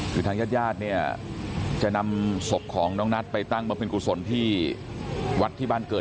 คือทางญาติญาติเนี่ยจะนำศพของน้องนัทไปตั้งมาเป็นกุศลที่วัดที่บ้านเกิด